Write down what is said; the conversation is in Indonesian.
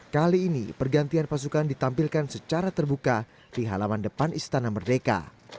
kali ini pergantian pasukan ditampilkan secara terbuka di halaman depan istana merdeka